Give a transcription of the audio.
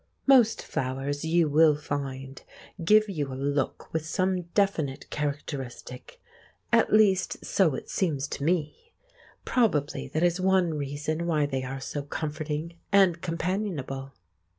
Most flowers, you will find, give you a look with some definite characteristic—at least, so it seems to me. Probably that is one reason why they are so comforting and companionable.